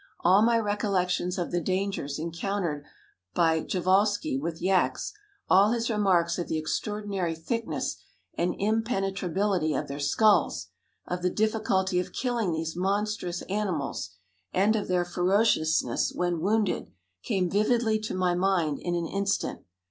All my recollections of the dangers encountered by Prjevalsky with yaks, all his remarks of the extraordinary thickness and impenetrability of their skulls, of the difficulty of killing these monstrous animals, and of their ferociousness when wounded, came vividly to my mind in an instant.